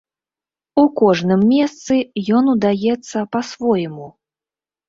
У кожным месцы ён удаецца па-свойму.